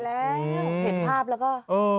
แล้วเห็นภาพแล้วก็